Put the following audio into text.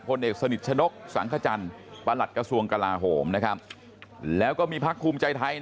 คนเอกสนิทชะนกสำครประหลัดกระสวงกระลาโฮมและมีพักควมใจไทย